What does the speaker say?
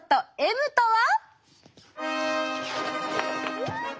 Ｍとは。